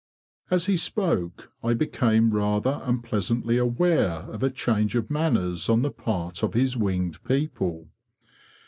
As he spoke I became rather unpleasantly aware of a change of manners on the part of his winged people.